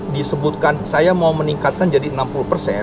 disebutkan saya mau meningkatkan jadi enam puluh persen